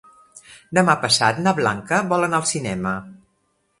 Demà passat na Blanca vol anar al cinema.